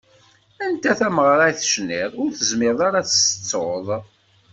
Anta tameɣra i tecniḍ, ur tezmireḍ ara ad tt-tettuḍ?